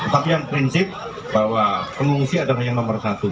tapi yang prinsip bahwa pengungsi adalah yang nomor satu